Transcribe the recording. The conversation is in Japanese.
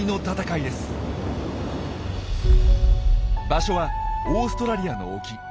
場所はオーストラリアの沖。